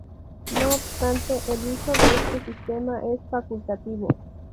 No obstante, el uso de este sistema es facultativo.